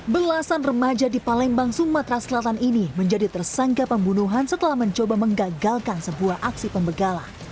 belasan remaja di palembang sumatera selatan ini menjadi tersangka pembunuhan setelah mencoba menggagalkan sebuah aksi pembegalan